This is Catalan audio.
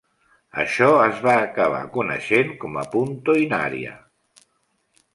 Això es va acabar coneixent com a "punto in aria".